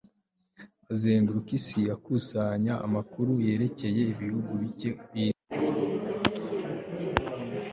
azenguruka isi akusanya amakuru yerekeye ibihugu bike bizwi